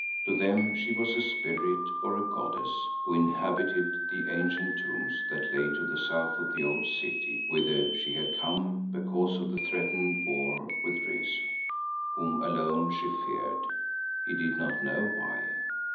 To them she was a spirit or a goddess who inhabited the ancient tombs that lay to the south of the old city whither she had come because of the threatened war with Rezu, whom alone she feared, he did not know why.